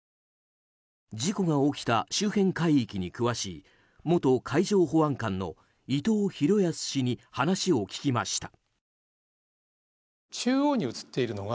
事故が起きた周辺海域に詳しい元海上保安監の伊藤裕康氏に話を聞きました。